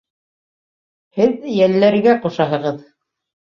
Һеҙ йәлләргә ҡушаһығыҙ.